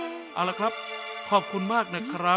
เอาละครับขอบคุณมากนะครับ